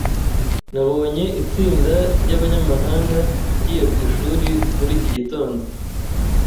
Nabonye itsinda ryabanyamahanga ngiye ku ishuri muri iki gitondo.